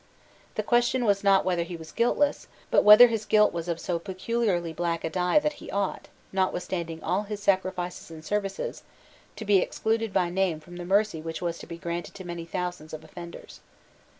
The question was not whether he was guiltless, but whether his guilt was of so peculiarly black a dye that he ought, notwithstanding all his sacrifices and services, to be excluded by name from the mercy which was to be granted to many thousands of offenders.